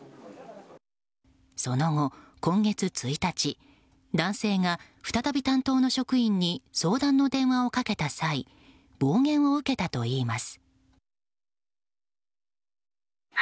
その後、今月１日男性が、再び担当の職員に相談の電話を掛けた際暴言を受けたと言います。